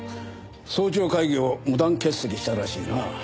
早朝会議を無断欠席したらしいな。